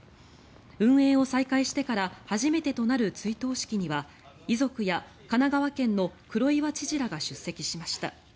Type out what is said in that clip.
運営を再開してから初めてとなる追悼式には遺族や神奈川県の黒岩知事らが出席しました。